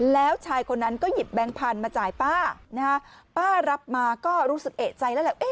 แล้วชายคนนั้นก็หยิบแบงค์พันธุ์มาจ่ายป้านะฮะป้ารับมาก็รู้สึกเอกใจแล้วแหละ